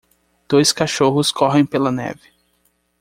Dois cachorros correm pela neve.